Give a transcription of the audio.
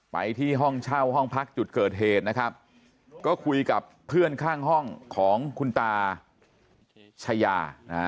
ไปที่ห้องเช่าห้องพักจุดเกิดเหตุนะครับก็คุยกับเพื่อนข้างห้องของคุณตาชายานะฮะ